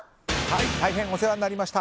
大変お世話になりました。